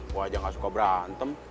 gue aja gak suka berantem